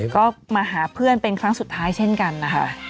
ก็มาหาเพื่อนเป็นครั้งสุดท้ายเช่นกันนะคะ